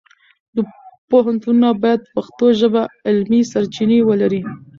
پوهنتونونه باید په پښتو ژبه علمي سرچینې ولري.